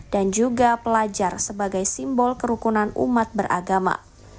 dan juga pelajar sebagai simbol kerukunan antar umat beragama